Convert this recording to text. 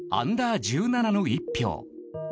Ｕ‐１７の一票。